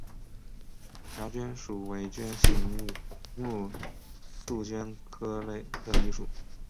鸦鹃属为鹃形目杜鹃科的一属。